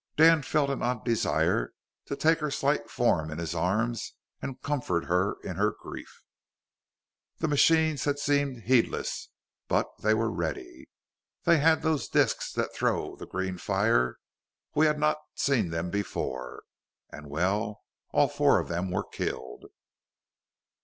Dan felt an odd desire to take her slight form in his arms and comfort her in her grief. "The machines had seemed heedless, but they were ready. They had those disks that throw the green fire: we had not seen them before. And well, all four of them were killed."